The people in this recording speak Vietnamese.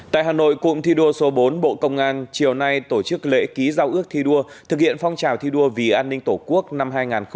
tại hà nội cụm thi đua số bốn bộ công an chiều nay tổ chức lễ ký giao ước thi đua thực hiện phong trào thi đua vì an ninh tổ quốc năm hai nghìn hai mươi bốn